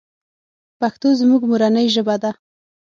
پښتو زموږ مورنۍ ژبه ده .